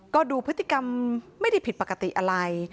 ก็ดูพฤติกรรมไม่ได้ผิดปกติอะไร